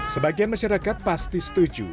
sebagai masyarakat pasti setuju